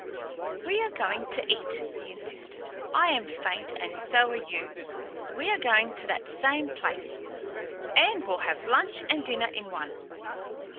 "We are going to eat," he insisted. "I am faint, and so are you. We are going to that same place, and we'll have lunch and dinner in one."